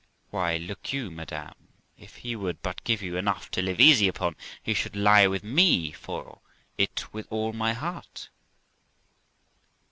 'Why, look you, madam; if he would but give you enough to live easy upon, he should lie with me for it with all my heart.'